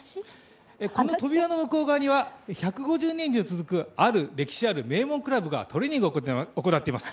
この扉の向こう側には１５０年以上続く、ある歴史ある名門クラブがトレーニングを行っています。